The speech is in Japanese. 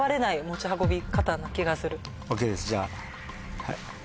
ＯＫですじゃあ。